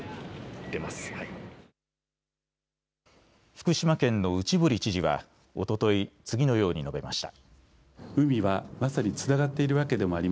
福島県の内堀知事はおととい次のように述べました。